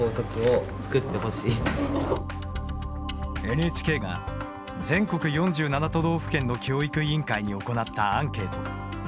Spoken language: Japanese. ＮＨＫが全国４７都道府県の教育委員会に行ったアンケート。